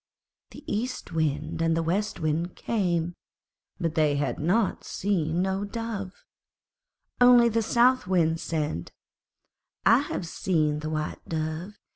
The East Wind and the West Wind came, but they had seen no Dove. Only the South Wind said, 'I have seen the White Dove.